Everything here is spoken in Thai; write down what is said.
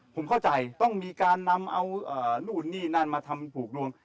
ผมเข้าใจต้องมีการนำเอานู่นนี่นั่นมาทำผูกลวง